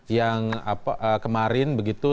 yang kemarin begitu